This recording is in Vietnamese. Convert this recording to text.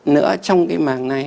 nữa trong cái màng này